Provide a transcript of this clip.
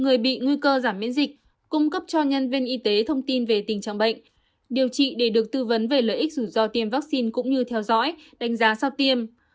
người bị nguy cơ giảm miễn dịch cung cấp cho nhân viên y tế thông tin về tình trạng bệnh điều trị để được tư vấn về lợi ích rủi ro tiêm vaccine cũng như theo dõi đánh giá sau tiêm